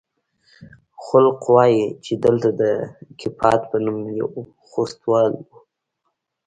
خلق وايي چې دلته د کيپات په نوم يو خوستوال و.